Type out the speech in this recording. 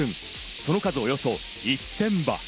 その数およそ１０００羽。